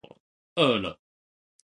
餓了